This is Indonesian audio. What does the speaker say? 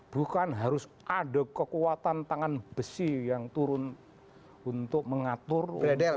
bukan harus ada kekuatan tangan besi yang turun untuk mengatur wni